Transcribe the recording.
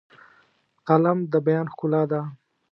قلم د بیان ښکلا ده